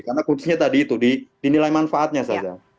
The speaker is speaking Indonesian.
karena kuncinya tadi itu di nilai manfaatnya saja